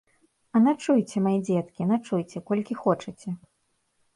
А начуйце, мае дзеткі, начуйце, колькі хочаце!